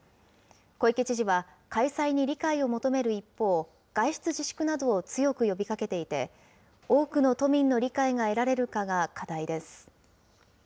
小池知事は、開催に理解を求める一方、外出自粛などを強く呼びかけていて、多くの都民の理解が得られるかが課題です。